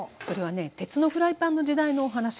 それはね鉄のフライパンの時代のお話。